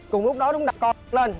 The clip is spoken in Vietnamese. cùng lúc đó chúng ta đặt con lên